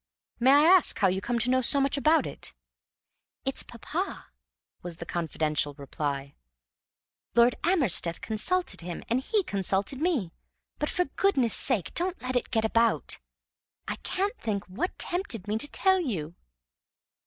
"May I ask how you come to know so much about it?" "It's papa," was the confidential reply. "Lord Amersteth consulted him, and he consulted me. But for goodness' sake don't let it get about! I can't think WHAT tempted me to tell you!"